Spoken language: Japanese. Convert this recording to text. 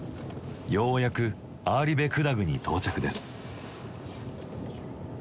ようやくアーリベクダグに到着です。